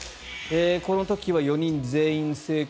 この時は４人全員成功。